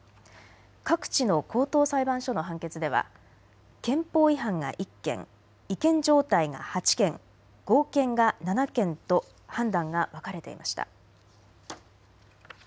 各地の高等裁判所の判決では憲法違反が１件、違憲状態が８件、合憲が７件と判断が分かれていました。